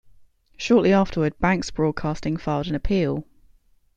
Shortly afterward, Banks Broadcasting filed an appeal.